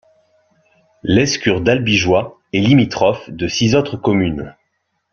Lescure-d'Albigeois est limitrophe de six autres communes.